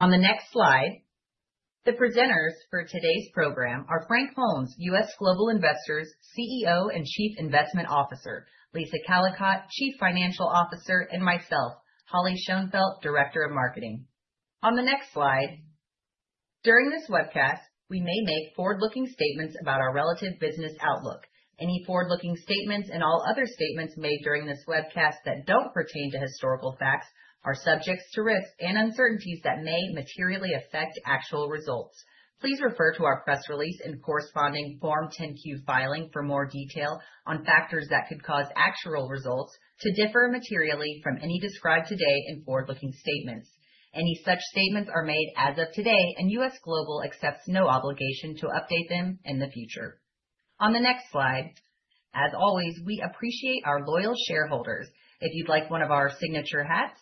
On the next slide, the presenters for today's program are Frank Holmes, U.S. Global Investors CEO and Chief Investment Officer, Lisa Callicotte, Chief Financial Officer, and myself, Holly Schoenfeldt, Director of Marketing. On the next slide, during this webcast, we may make forward-looking statements about our relative business outlook. Any forward-looking statements and all other statements made during this webcast that do not pertain to historical facts are subject to risks and uncertainties that may materially affect actual results. Please refer to our press release and corresponding Form 10-Q filing for more detail on factors that could cause actual results to differ materially from any described today in forward-looking statements. Any such statements are made as of today, and U.S. Global accepts no obligation to update them in the future. On the next slide, as always, we appreciate our loyal shareholders. If you'd like one of our signature hats,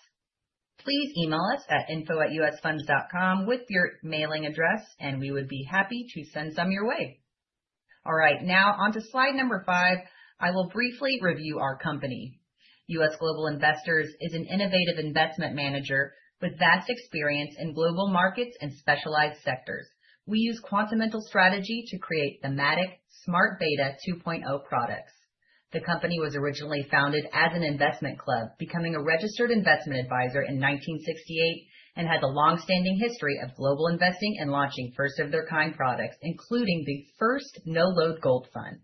please email us at info@usfunds.com with your mailing address, and we would be happy to send some your way. All right, now on to slide number five. I will briefly review our company. U.S. Global Investors is an innovative investment manager with vast experience in global markets and specialized sectors. We use quantum mental strategy to create thematic Smart Beta 2.0 products. The company was originally founded as an investment club, becoming a registered investment advisor in 1968, and has a long-standing history of global investing and launching first-of-the-kind products, including the first no-load gold fund.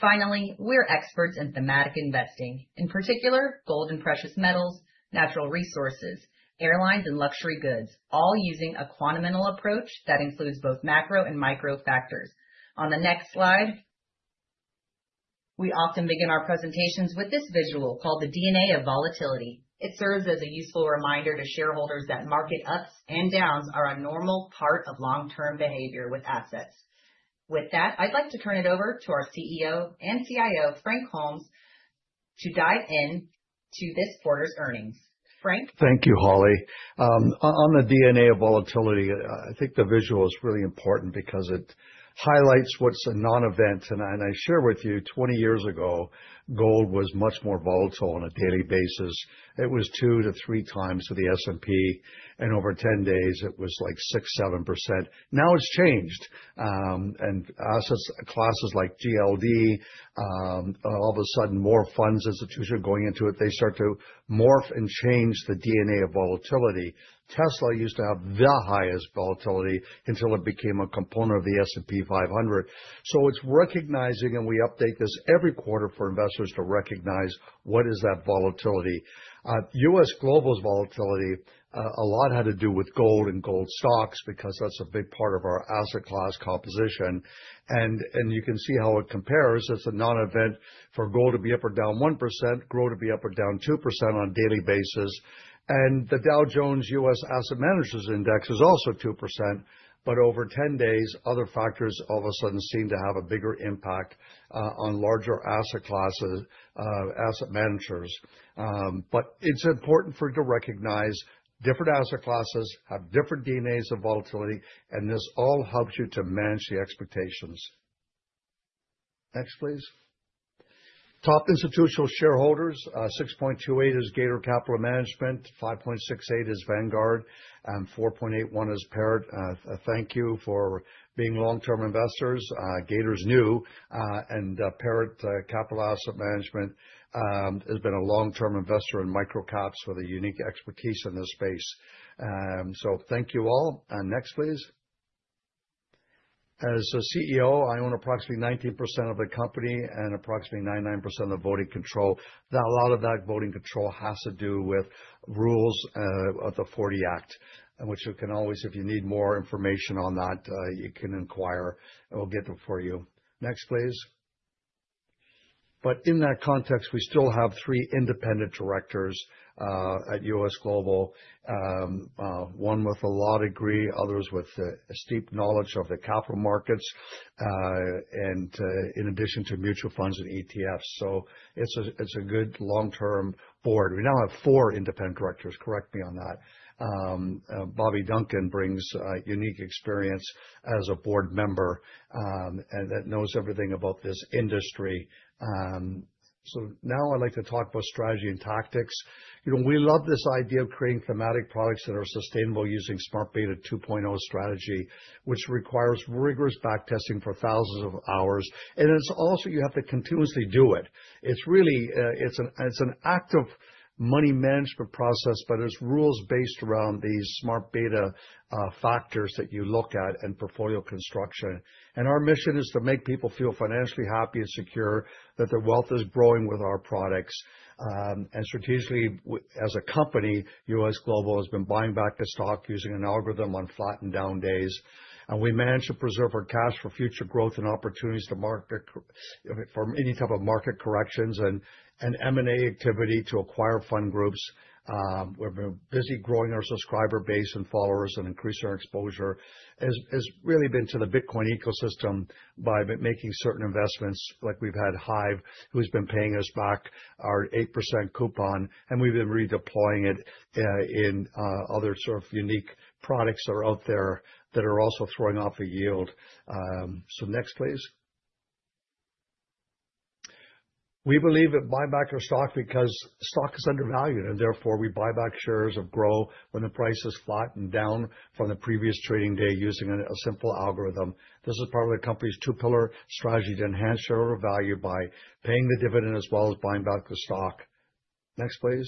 Finally, we're experts in thematic investing, in particular, gold and precious metals, natural resources, airlines, and luxury goods, all using a quantum mental approach that includes both macro and micro factors. On the next slide, we often begin our presentations with this visual called the DNA of Volatility. It serves as a useful reminder to shareholders that market ups and downs are a normal part of long-term behavior with assets. With that, I'd like to turn it over to our CEO and CIO, Frank Holmes, to dive into this quarter's earnings. Frank. Thank you, Holly. On the DNA of volatility, I think the visual is really important because it highlights what's a non-event. I share with you, 20 years ago, gold was much more volatile on a daily basis. It was 2x-3x to the S&P, and over 10 days, it was like 6%-7%. Now it's changed. Asset classes like GLD, all of a sudden, more funds, institutions are going into it. They start to morph and change the DNA of volatility. Tesla used to have the highest volatility until it became a component of the S&P 500. It's recognizing, and we update this every quarter for investors to recognize what is that volatility. U.S. Global's volatility a lot had to do with gold and gold stocks because that's a big part of our asset class composition. You can see how it compares. It's a non-event for gold to be up or down 1%, gold to be up or down 2% on a daily basis. The Dow Jones U.S. Asset Managers Index is also 2%. Over 10 days, other factors all of a sudden seem to have a bigger impact on larger asset classes, asset managers. It's important for you to recognize different asset classes have different DNAs of volatility, and this all helps you to manage the expectations. Next, please. Top institutional shareholders, 6.28% is Gator Capital Management, 5.68% is Vanguard, and 4.81% is Parrott. Thank you for being long-term investors. Gator's new, and Parrott Capital Asset Management has been a long-term investor in micro caps with a unique expertise in this space. Thank you all. Next, please. As CEO, I own approximately 19% of the company and approximately 99% of the voting control. A lot of that voting control has to do with rules of the 40 Act, which you can always, if you need more information on that, you can inquire. We'll get it for you. Next, please. In that context, we still have three independent directors at U.S. Global, one with a law degree, others with a steep knowledge of the capital markets, and in addition to mutual funds and ETFs. It is a good long-term board. We now have four independent directors. Correct me on that. Bobby Duncan brings unique experience as a board member and knows everything about this industry. Now I'd like to talk about strategy and tactics. We love this idea of creating thematic products that are sustainable using Smart Beta 2.0 strategy, which requires rigorous backtesting for thousands of hours. It is also you have to continuously do it. It's really, it's an active money management process, but it's rules based around these Smart Beta factors that you look at and portfolio construction. Our mission is to make people feel financially happy and secure that their wealth is growing with our products. Strategically, as a company, U.S. Global has been buying back the stock using an algorithm on flat and down days. We manage to preserve our cash for future growth and opportunities to market for any type of market corrections and M&A activity to acquire fund groups. We've been busy growing our subscriber base and followers and increasing our exposure. It's really been to the Bitcoin ecosystem by making certain investments. Like we've had Hive, who's been paying us back our 8% coupon, and we've been redeploying it in other sort of unique products that are out there that are also throwing off a yield. Next, please. We believe in buyback of stock because stock is undervalued, and therefore we buy back shares of Grow when the price is flat and down from the previous trading day using a simple algorithm. This is part of the company's two-pillar strategy to enhance shareholder value by paying the dividend as well as buying back the stock. Next, please.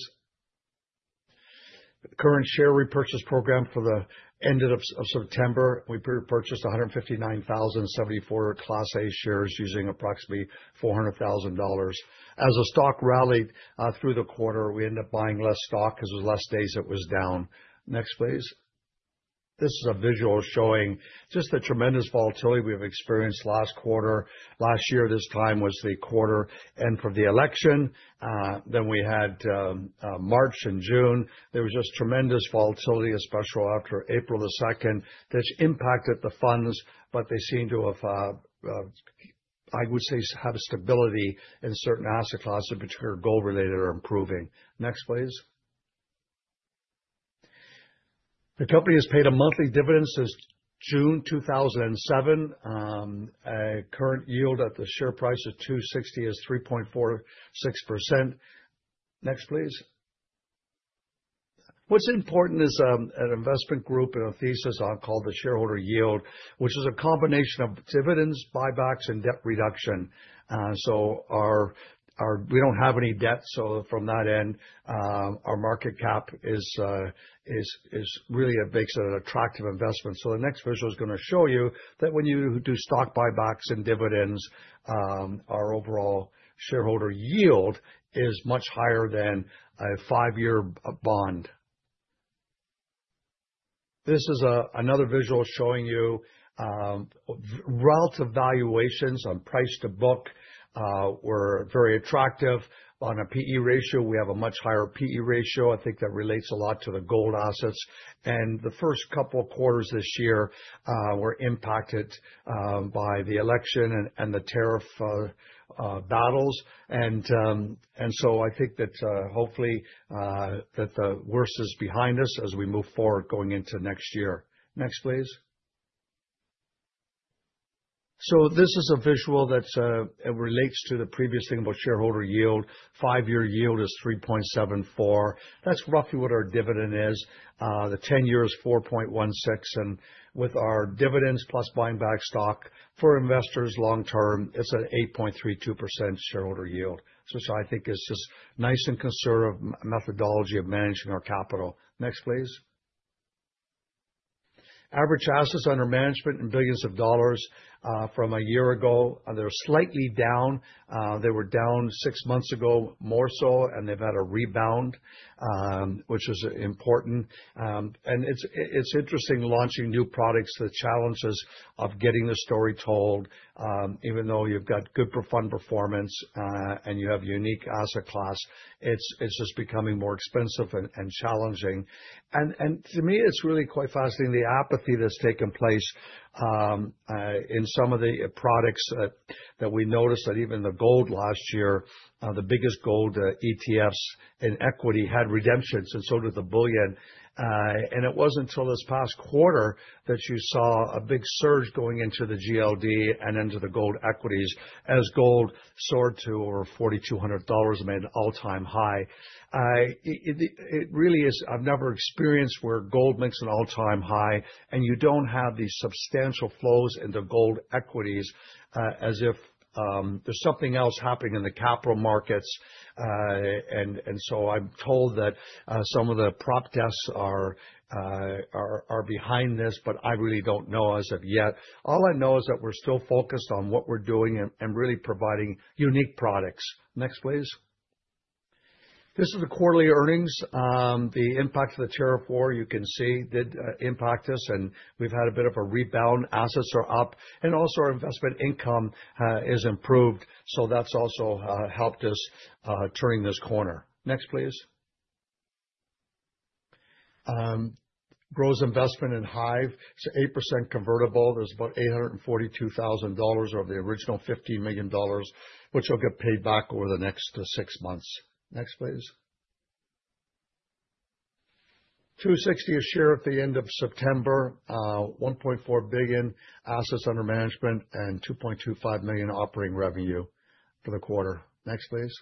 Current share repurchase program for the end of September. We purchased 159,074 Class A shares using approximately $400,000. As the stock rallied through the quarter, we ended up buying less stock because there were fewer days it was down. Next, please. This is a visual showing just the tremendous volatility we have experienced last quarter. Last year, this time was the quarter end for the election. Then we had March and June. There was just tremendous volatility, especially after April the 2nd, which impacted the funds, but they seem to have, I would say, have stability in certain asset classes, particularly gold-related, are improving. Next, please. The company has paid a monthly dividend since June 2007. Current yield at the share price of $2.60 is 3.46%. Next, please. What's important is an investment group and a thesis called the shareholder yield, which is a combination of dividends, buybacks, and debt reduction. We do not have any debt. From that end, our market cap really makes it an attractive investment. The next visual is going to show you that when you do stock buybacks and dividends, our overall shareholder yield is much higher than a five-year bond. This is another visual showing you relative valuations on price to book were very attractive. On a PE ratio, we have a much higher PE ratio. I think that relates a lot to the gold assets. The first couple of quarters this year were impacted by the election and the tariff battles. I think that hopefully the worst is behind us as we move forward going into next year. Next, please. This is a visual that relates to the previous thing about shareholder yield. Five-year yield is 3.74%. That is roughly what our dividend is. The 10-year is 4.16%. With our dividends plus buying back stock for investors long-term, it is an 8.32% shareholder yield. I think it is just nice and conservative methodology of managing our capital. Next, please. Average assets under management in billions of dollars from a year ago. They are slightly down. They were down six months ago more so, and they have had a rebound, which is important. It's interesting launching new products, the challenges of getting the story told. Even though you've got good fund performance and you have a unique asset class, it's just becoming more expensive and challenging. To me, it's really quite fascinating the apathy that's taken place in some of the products that we noticed that even the gold last year, the biggest gold ETFs in equity had redemptions, and so did the bullion. It was not until this past quarter that you saw a big surge going into the GLD and into the gold equities as gold soared to over $4,200, made an all-time high. It really is, I've never experienced where gold makes an all-time high, and you do not have these substantial flows in the gold equities as if there's something else happening in the capital markets. I'm told that some of the prop desks are behind this, but I really don't know as of yet. All I know is that we're still focused on what we're doing and really providing unique products. Next, please. This is the quarterly earnings. The impact of the tariff war, you can see, did impact us, and we've had a bit of a rebound. Assets are up, and also our investment income has improved. That's also helped us turn this corner. Next, please. Grow's investment in Hive is 8% convertible. There's about $842,000 of the original $15 million, which will get paid back over the next six months. Next, please. $2.60 a share at the end of September, $1.4 billion assets under management, and $2.25 million operating revenue for the quarter. Next, please.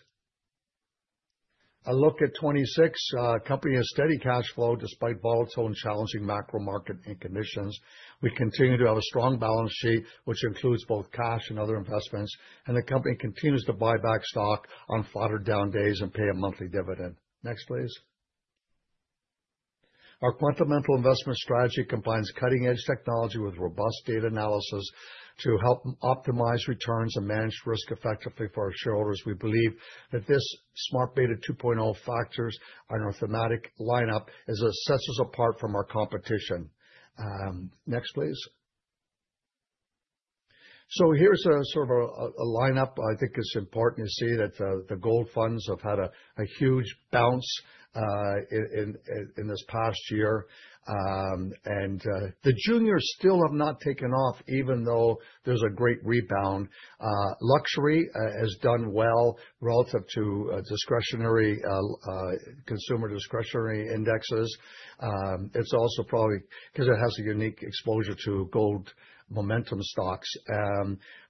A look at 2026. Company has steady cash flow despite volatile and challenging macro market conditions. We continue to have a strong balance sheet, which includes both cash and other investments. The company continues to buy back stock on flatter down days and pay a monthly dividend. Next, please. Our quantum mental investment strategy combines cutting-edge technology with robust data analysis to help optimize returns and manage risk effectively for our shareholders. We believe that this Smart Beta 2.0 factors on our thematic lineup sets us apart from our competition. Next, please. Here is a sort of a lineup. I think it is important to see that the gold funds have had a huge bounce in this past year. The juniors still have not taken off, even though there is a great rebound. Luxury has done well relative to consumer discretionary indexes. It's also probably because it has a unique exposure to gold momentum stocks,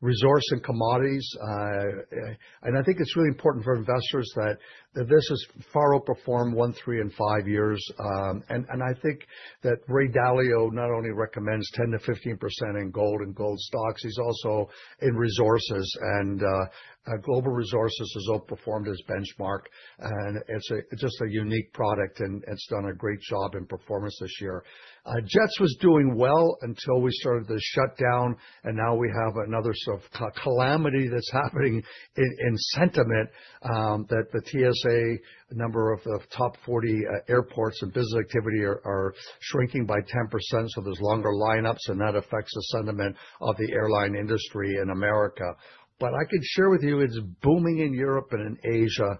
resource and commodities. I think it's really important for investors that this has far outperformed one, three, and five years. I think that Ray Dalio not only recommends 10%-15% in gold and gold stocks, he's also in resources. Global Resources has outperformed his benchmark. It's just a unique product, and it's done a great job in performance this year. Jets was doing well until we started the shutdown, and now we have another sort of calamity that's happening in sentiment that the TSA, a number of top 40 airports and business activity are shrinking by 10%. There's longer lineups, and that affects the sentiment of the airline industry in America. I can share with you, it's booming in Europe and in Asia.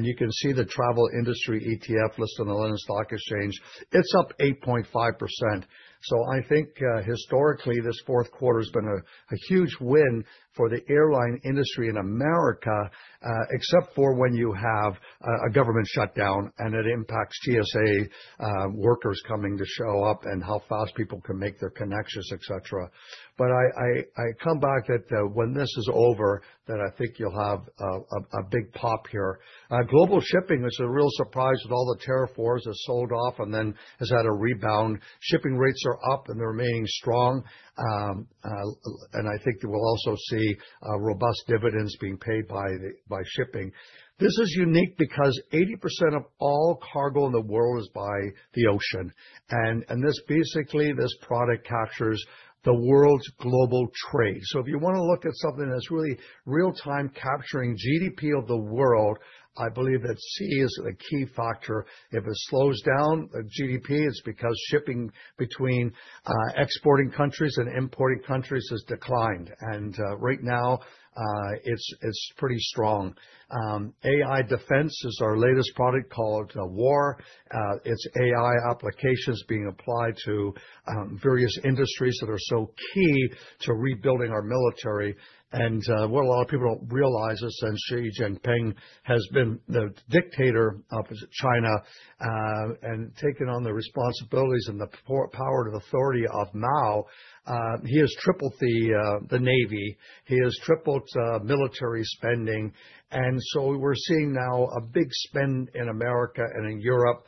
You can see the travel industry ETF listed on the London Stock Exchange. It's up 8.5%. I think historically, this fourth quarter has been a huge win for the airline industry in America, except for when you have a government shutdown and it impacts TSA workers coming to show up and how fast people can make their connections, etc. I come back that when this is over, I think you'll have a big pop here. Global Shipping is a real surprise with all the tariff wars that sold off and then has had a rebound. Shipping rates are up and they're remaining strong. I think we'll also see robust dividends being paid by shipping. This is unique because 80% of all cargo in the world is by the ocean. Basically, this product captures the world's global trade. If you want to look at something that's really real-time capturing GDP of the world, I believe that SEA is the key factor. If it slows down GDP, it's because shipping between exporting countries and importing countries has declined. Right now, it's pretty strong. AI Defense is our latest product called WAR. It's AI applications being applied to various industries that are so key to rebuilding our military. What a lot of people don't realize is that Xi Jinping has been the dictator of China and taken on the responsibilities and the power and authority of Mao. He has tripled the navy. He has tripled military spending. We're seeing now a big spend in America and in Europe.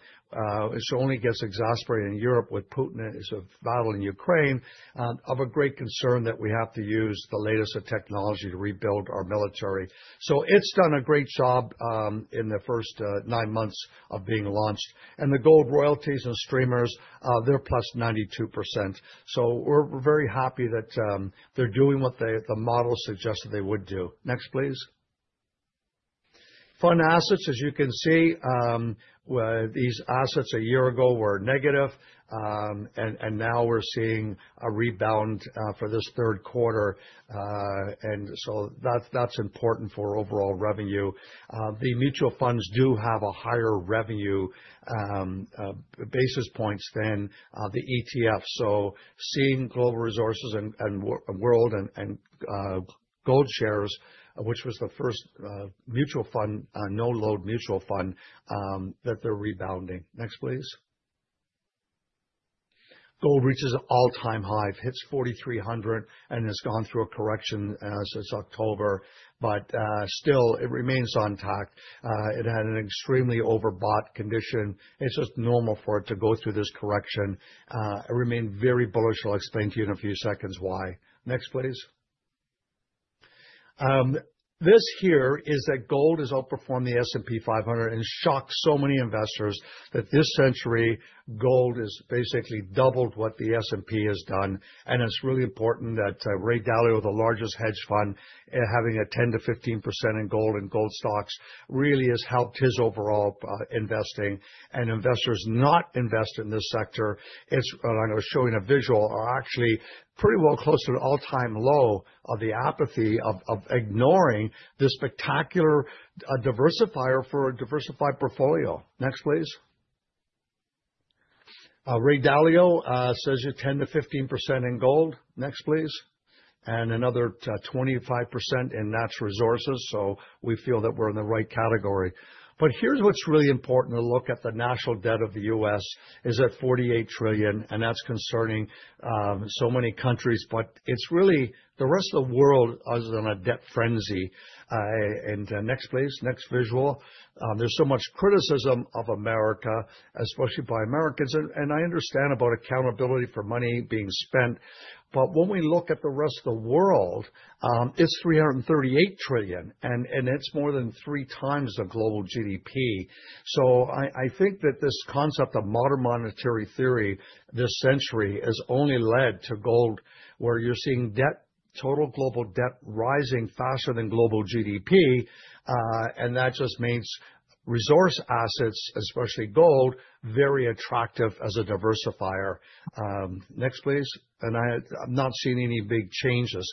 It's only getting exasperated in Europe with Putin's battle in Ukraine of a great concern that we have to use the latest technology to rebuild our military. It's done a great job in the first nine months of being launched. The gold royalties and streamers, they're plus 92%. We're very happy that they're doing what the model suggested they would do. Next, please. Fund assets, as you can see, these assets a year ago were negative. Now we're seeing a rebound for this third quarter. That's important for overall revenue. The mutual funds do have a higher revenue basis points than the ETF. Seeing Global Resources and World and Gold Shares, which was the first no-load mutual fund, that they're rebounding. Next, please. Gold reaches an all-time high. It hits $4,300 and has gone through a correction since October. Still, it remains on top. It had an extremely overbought condition. It's just normal for it to go through this correction. It remained very bullish. I'll explain to you in a few seconds why. Next, please. This here is that gold has outperformed the S&P 500 and shocked so many investors that this century, gold has basically doubled what the S&P has done. It's really important that Ray Dalio, the largest hedge fund, having a 10%-15% in gold and gold stocks, really has helped his overall investing. Investors not investing in this sector, and I'm showing a visual, are actually pretty well close to the all-time low of the apathy of ignoring this spectacular diversifier for a diversified portfolio. Next, please. Ray Dalio says you're 10%-15% in gold. Next, please. Another 25% in natural resources. We feel that we're in the right category. Here's what's really important to look at. The national debt of the U.S. is at $48 trillion, and that's concerning so many countries. But it's really the rest of the world is in a debt frenzy. Next, please. Next visual. There's so much criticism of America, especially by Americans. I understand about accountability for money being spent. When we look at the rest of the world, it's $338 trillion, and it's more than 3x the global GDP. I think that this concept of modern monetary theory this century has only led to gold, where you're seeing total global debt rising faster than global GDP. That just makes resource assets, especially gold, very attractive as a diversifier. Next, please. I'm not seeing any big changes.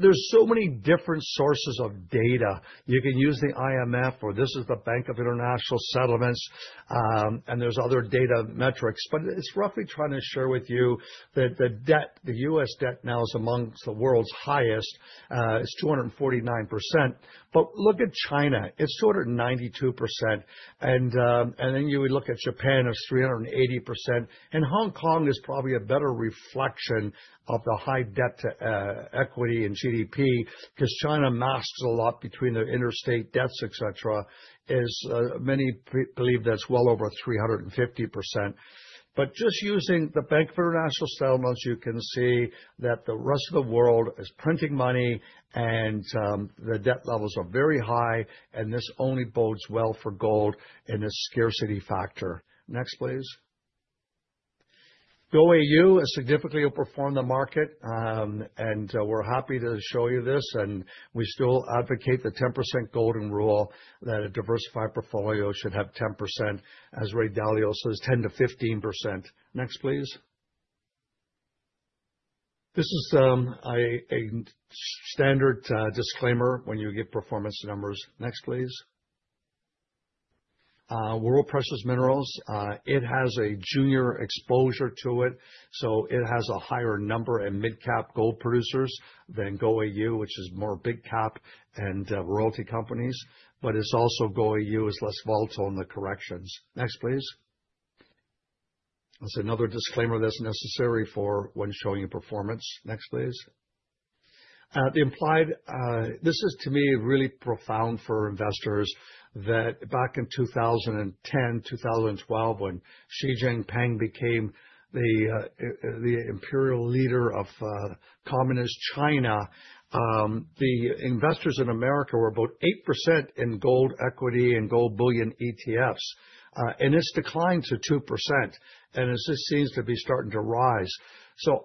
There are so many different sources of data. You can use the IMF, or this is the Bank of International Settlements. There are other data metrics. It's roughly trying to share with you that the U.S. debt now is amongst the world's highest. It's 249%. Look at China. It's 292%. Then you would look at Japan. It's 380%. Hong Kong is probably a better reflection of the high debt to equity and GDP because China masks a lot between their interstate debts, etc. Many believe that's well over 350%. Just using the Bank of International Settlements, you can see that the rest of the world is printing money, and the debt levels are very high. This only bodes well for gold in a scarcity factor. Next, please. The GOAU has significantly outperformed the market. We're happy to show you this. We still advocate the 10% golden rule that a diversified portfolio should have 10%, as Ray Dalio says, 10%-15%. Next, please. This is a standard disclaimer when you get performance numbers. Next, please. World Precious Minerals. It has a junior exposure to it. So it has a higher number in mid-cap gold producers than GOAU, which is more big-cap and royalty companies. But GOAU is less volatile in the corrections. Next, please. That's another disclaimer that's necessary for when showing your performance. Next, please. This is, to me, really profound for investors that back in 2010, 2012, when Xi Jinping became the imperial leader of communist China, the investors in America were about 8% in gold equity and gold bullion ETFs. It's declined to 2%. It just seems to be starting to rise.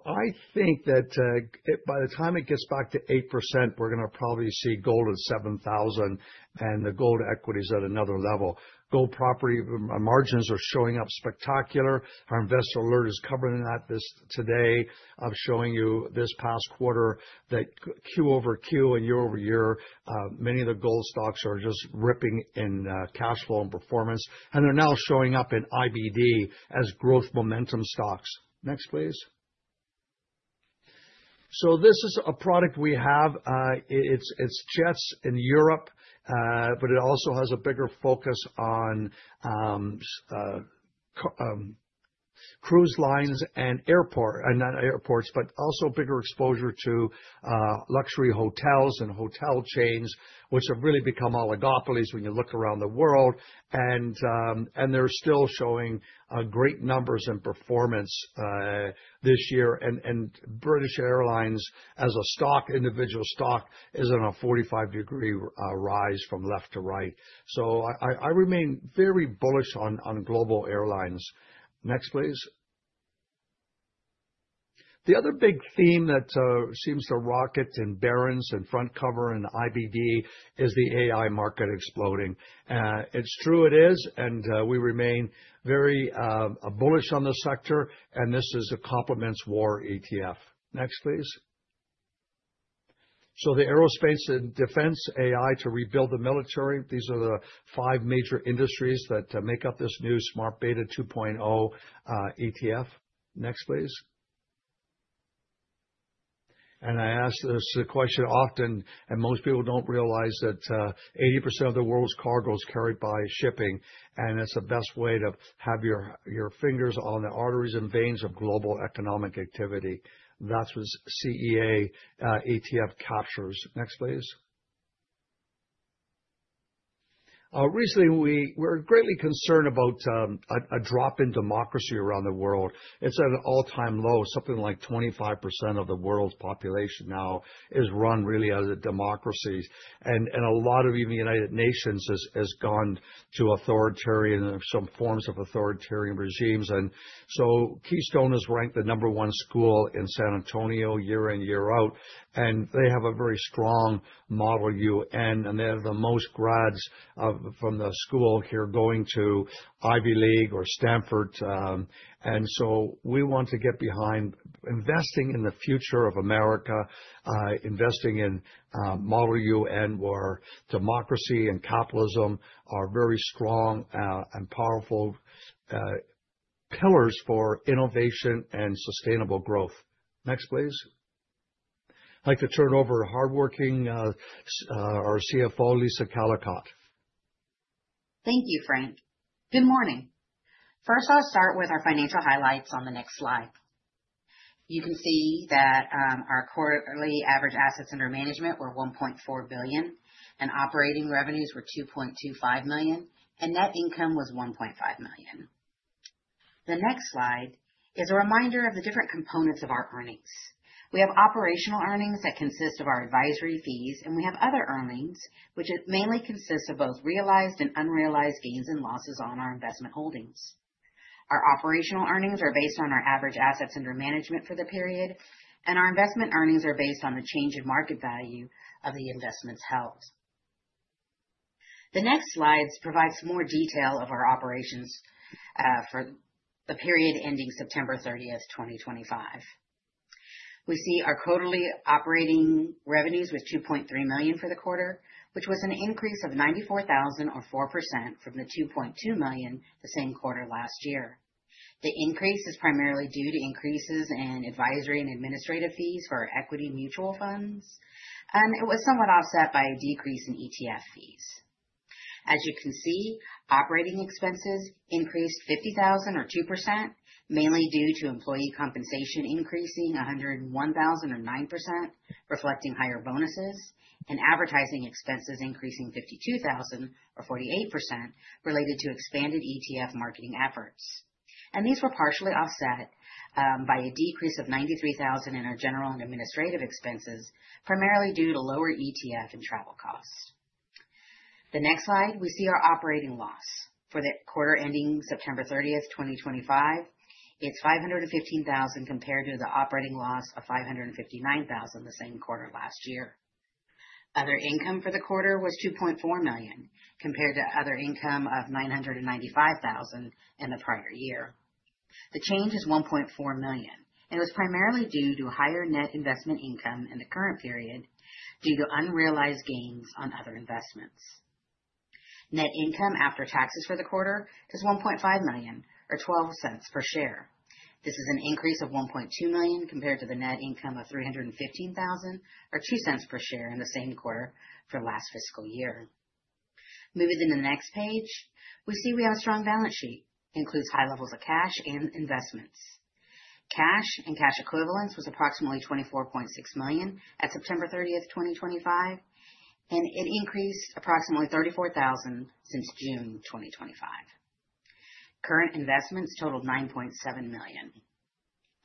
I think that by the time it gets back to 8%, we're going to probably see gold at $7,000 and the gold equities at another level. Gold property margins are showing up spectacular. Our investor alert is covering that today. I'm showing you this past quarter that Q-over-Q and year-over-year, many of the gold stocks are just ripping in cash flow and performance. They're now showing up in IBD as growth momentum stocks. Next, please. This is a product we have. It's JETS in Europe, but it also has a bigger focus on cruise lines and airports, but also bigger exposure to luxury hotels and hotel chains, which have really become oligopolies when you look around the world. They're still showing great numbers and performance this year. British Airlines, as a stock, individual stock, is on a 45-degree rise from left to right. I remain very bullish on global airlines. Next, please. The other big theme that seems to rocket in Barron's and Front Cover and IBD is the AI market exploding. It's true it is. We remain very bullish on the sector. This complements WAR ETF. Next, please. The aerospace and defense AI to rebuild the military. These are the five major industries that make up this new Smart Beta 2.0 ETF. Next, please. I ask this question often, and most people do not realize that 80% of the world's cargo is carried by shipping. It is the best way to have your fingers on the arteries and veins of global economic activity. That is what SEA ETF captures. Next, please. Recently, we are greatly concerned about a drop in democracy around the world. It is at an all-time low, something like 25% of the world's population now is run really as a democracy. A lot of even the United Nations has gone to some forms of authoritarian regimes. Keystone has ranked the number one school in San Antonio year in, year out. They have a very strong model UN. They have the most grads from the school here going to Ivy League or Stanford. We want to get behind investing in the future of America, investing in model UN, where democracy and capitalism are very strong and powerful pillars for innovation and sustainable growth. Next, please. I'd like to turn over to hardworking our CFO, Lisa Callicotte. Thank you, Frank. Good morning. First, I'll start with our financial highlights on the next slide. You can see that our quarterly average assets under management were $1.4 billion, operating revenues were $2.25 million, and net income was $1.5 million. The next slide is a reminder of the different components of our earnings. We have operational earnings that consist of our advisory fees, and we have other earnings, which mainly consist of both realized and unrealized gains and losses on our investment holdings. Our operational earnings are based on our average assets under management for the period, and our investment earnings are based on the change in market value of the investments held. The next slides provide some more detail of our operations for the period ending September 30, 2025. We see our quarterly operating revenues with $2.3 million for the quarter, which was an increase of $94,000 or 4% from the $2.2 million the same quarter last year. The increase is primarily due to increases in advisory and administrative fees for our equity mutual funds. It was somewhat offset by a decrease in ETF fees. As you can see, operating expenses increased $50,000 or 2%, mainly due to employee compensation increasing $101,000 or 9%, reflecting higher bonuses, and advertising expenses increasing $52,000 or 48% related to expanded ETF marketing efforts. These were partially offset by a decrease of $93,000 in our general and administrative expenses, primarily due to lower ETF and travel costs. The next slide, we see our operating loss for the quarter ending September 30th, 2025. It is $515,000 compared to the operating loss of $559,000 the same quarter last year. Other income for the quarter was $2.4 million compared to other income of $995,000 in the prior year. The change is $1.4 million. It was primarily due to higher net investment income in the current period due to unrealized gains on other investments. Net income after taxes for the quarter is $1.5 million or $0.12 per share. This is an increase of $1.2 million compared to the net income of $315,000 or $0.02 per share in the same quarter for last fiscal year. Moving to the next page, we see we have a strong balance sheet. It includes high levels of cash and investments. Cash and cash equivalents was approximately $24.6 million at September 30th, 2025. It increased approximately $34,000 since June 2025. Current investments totaled $9.7 million.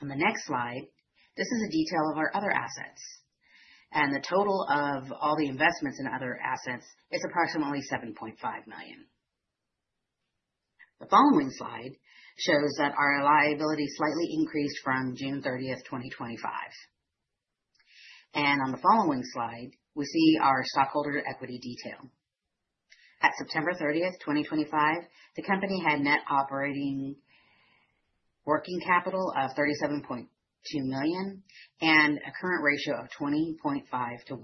On the next slide, this is a detail of our other assets. The total of all the investments in other assets is approximately $7.5 million. The following slide shows that our liability slightly increased from June 30th, 2025. On the following slide, we see our stockholder equity detail. At September 30th, 2025, the company had net operating working capital of $37.2 million and a current ratio of 20.5:1.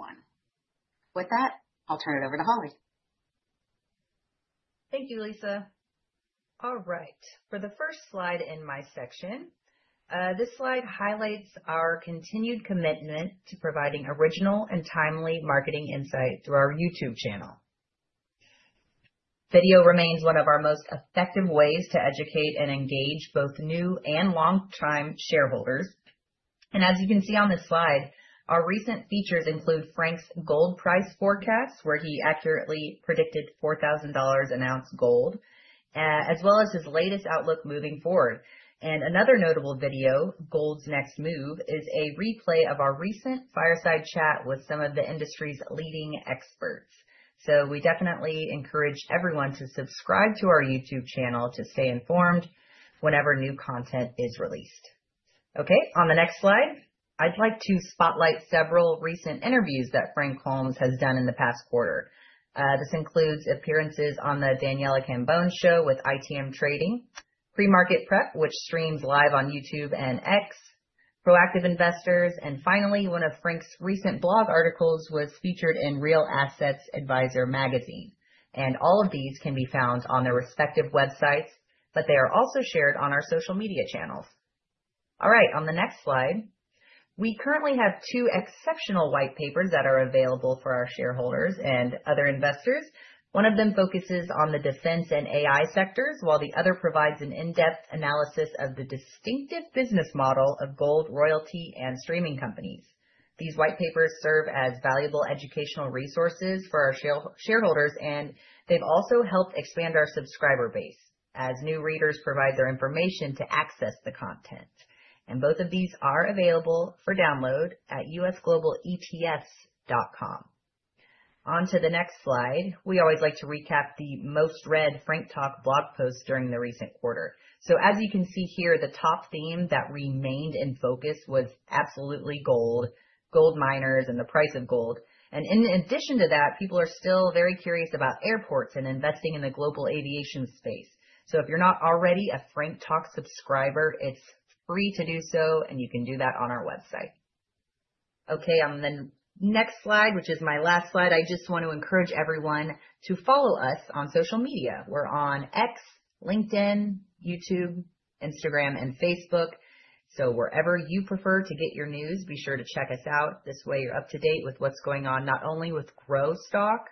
With that, I'll turn it over to Holly. Thank you, Lisa. All right. For the first slide in my section, this slide highlights our continued commitment to providing original and timely marketing insight through our YouTube channel. Video remains one of our most effective ways to educate and engage both new and long-time shareholders. As you can see on this slide, our recent features include Frank's gold price forecast, where he accurately predicted $4,000 an ounce gold, as well as his latest outlook moving forward. Another notable video, Gold's Next Move, is a replay of our recent Fireside Chat with some of the industry's leading experts. We definitely encourage everyone to subscribe to our YouTube channel to stay informed whenever new content is released. Okay, on the next slide, I'd like to spotlight several recent interviews that Frank Holmes has done in the past quarter. This includes appearances on The Daniela Campbell Show with ITM Trading, Pre-Market Prep, which streams live on YouTube and X, Proactive Investors, and finally, one of Frank's recent blog articles was featured in Real Assets Advisor Magazine. All of these can be found on their respective websites, but they are also shared on our social media channels. All right, on the next slide, we currently have two exceptional white papers that are available for our shareholders and other investors. One of them focuses on the defense and AI sectors, while the other provides an in-depth analysis of the distinctive business model of gold, royalty, and streaming companies. These white papers serve as valuable educational resources for our shareholders, and they've also helped expand our subscriber base as new readers provide their information to access the content. Both of these are available for download at usglobaleats.com. On to the next slide. We always like to recap the most read Frank Talk blog posts during the recent quarter. As you can see here, the top theme that remained in focus was absolutely gold, gold miners, and the price of gold. In addition to that, people are still very curious about airports and investing in the global aviation space. If you're not already a Frank Talk subscriber, it's free to do so, and you can do that on our website. On the next slide, which is my last slide, I just want to encourage everyone to follow us on social media. We're on X, LinkedIn, YouTube, Instagram, and Facebook. Wherever you prefer to get your news, be sure to check us out. This way, you're up to date with what's going on, not only with growth stock,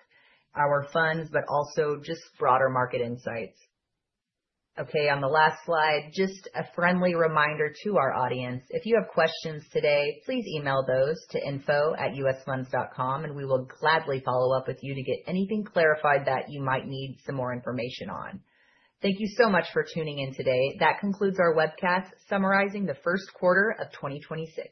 our funds, but also just broader market insights. Okay, on the last slide, just a friendly reminder to our audience. If you have questions today, please email those to info@usfunds.com, and we will gladly follow up with you to get anything clarified that you might need some more information on. Thank you so much for tuning in today. That concludes our webcast summarizing the first quarter of 2026.